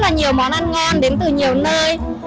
có rất là nhiều món ăn ngon đến từ nhiều nơi